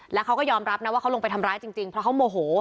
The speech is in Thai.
แล้วเขาก็ยอมรับนะว่าเขาลงไปทำร้ายจริงเพราะเขาโมโห